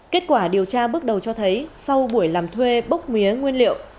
kết quả điều tra bước đầu cho thấy sau buổi làm thuê bốc mía nguyên liệu